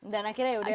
dan akhirnya ya udah